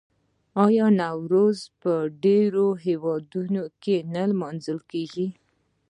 آیا نوروز په ډیرو هیوادونو کې نه لمانځل کیږي؟